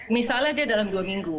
misalnya dia dalam dua minggu